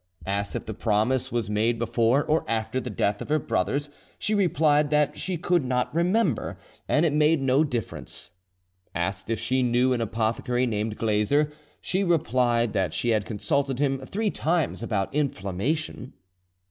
Asked if the promise was made before or after the death of her brothers, she replied that she could not remember, and it made no difference. Asked if she knew an apothecary called Glazer, she replied that she had consulted him three times about inflammation.